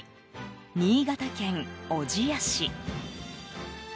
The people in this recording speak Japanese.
新潟県小千谷市。